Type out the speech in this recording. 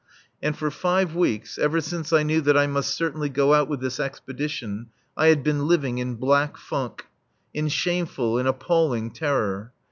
And for five weeks, ever since I knew that I must certainly go out with this expedition, I had been living in black funk; in shameful and appalling terror.